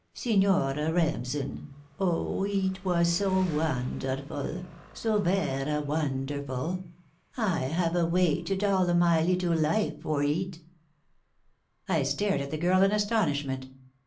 Signor Remsen! oh, eet was so wonderful so vera wonderful! I hava waited all my leetle life for eet." I stared at the girl in astonishment.